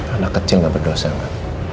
anak kecil gak berdosa